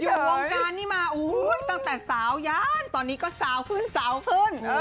อยู่วงการนี้มาตั้งแต่สาวย่านตอนนี้ก็สาวขึ้นสาวขึ้น